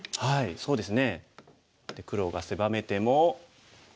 そうですね。